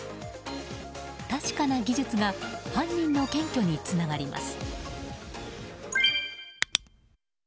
確かな技術が犯人の検挙につながります。